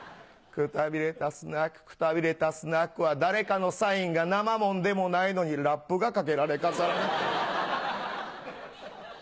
くたびれたスナックくたびれたスナックは誰かのサインが生もんでもないのにラップがかけられ飾られている。